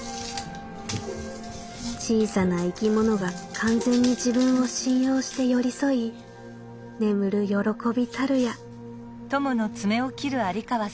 「小さな生き物が完全に自分を信用して寄り添い眠る歓びたるや」。